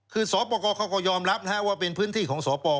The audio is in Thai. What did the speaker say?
คือสอปกรเขาก็ยอมรับนะครับว่าเป็นพื้นที่ของสอปกร